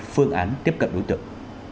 phương án tiếp cận đối tượng